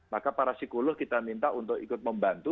maka para psikolog kita minta untuk ikut membantu